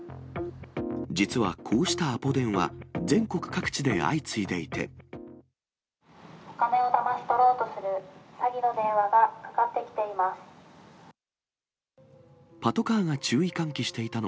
実はこうしたアポ電は、お金をだまし取ろうとする詐欺の電話がかかってきています。